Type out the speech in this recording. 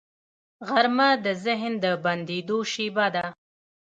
غرمه د ذهن د بندېدو شیبه ده